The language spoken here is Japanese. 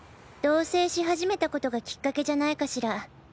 同棲し始めたことがきっかけじゃないかしら。